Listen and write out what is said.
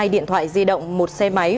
hai điện thoại di động một xe máy